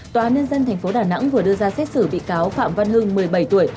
tòa án nhân dân tp đà nẵng vừa đưa ra xét xử bị cáo phạm văn hưng một mươi bảy tuổi